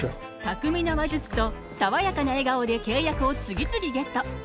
巧みな話術と爽やかな笑顔で契約を次々ゲット！